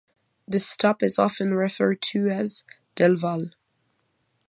This stop is often referred to as "Del Val".